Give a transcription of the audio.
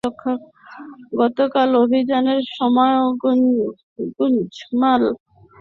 গতকাল অভিযানের সময়ও গুজম্যান একটি নালার ভেতর দিয়ে পালিয়ে যাওয়ার চেষ্টা করেন।